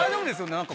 何か。